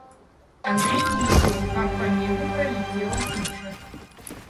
Андрей видел, как по небу пролетела туча.